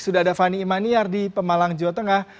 sudah ada fani imaniar di pemalang jawa tengah